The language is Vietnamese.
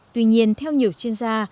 tuy nhiên theo nhiều chuyên gia